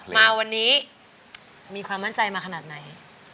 มาวันนี้มีความมั่นใจมาขนาดไหน